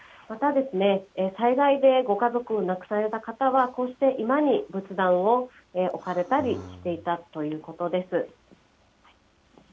また、災害でご家族を亡くされた方は、こうして居間に仏壇を置かれたりしていたということです。